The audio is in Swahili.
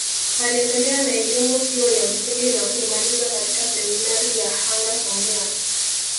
Aliendelea na elimu hiyo ya msingi na kuimaliza katika seminari ya Hanga Songea